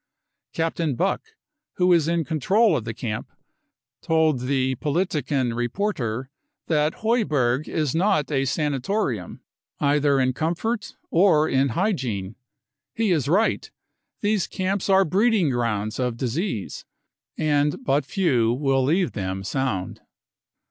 Captain Buck, who is in control of the camp, told the Politiken reporter that Heuberg is not a sanatorium, either* THE CONCENTRATION GAMPS 299 in comfort or in hygiene. He is right. These camps are breeding grounds of disease, and but few will leave them sound.